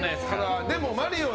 でも「マリオ」